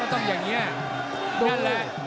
ก็ต้องอย่างเงี้ยนั่นแหละ